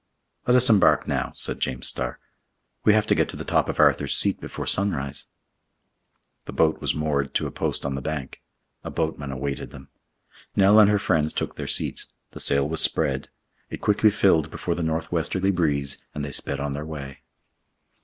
"Let us embark now," said James Starr. "We have to get to the top of Arthur's Seat before sunrise." The boat was moored to a post on the bank. A boatman awaited them. Nell and her friends took their seats; the sail was spread; it quickly filled before the northwesterly breeze, and they sped on their way.